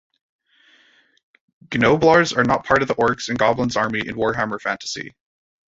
Gnoblars are not part of the Orcs and Goblins army in Warhammer Fantasy.